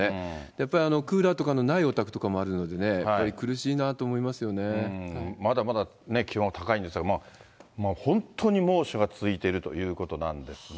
やっぱりクーラーとかのないお宅とかもあるのでね、まだまだね、気温は高いんですが、本当に猛暑が続いているということなんですね。